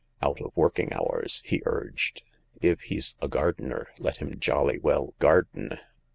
" Out of working hours," he urged. " If he's a gardener, let him jolly well garden."